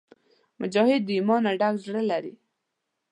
مجاهد د ایمان نه ډک زړه لري.